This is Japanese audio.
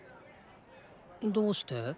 どうして。